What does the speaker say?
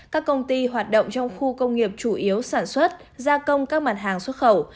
các công ty hoạt động trong khu công nghiệp chủ yếu sản xuất gia công các mặt hàng xuất khẩu